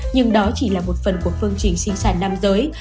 nhưng đó chỉ là một phần của phương trình sinh sản nam giới